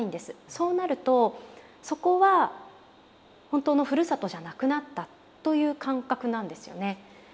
そうなるとそこは本当のふるさとじゃなくなったという感覚なんですよね。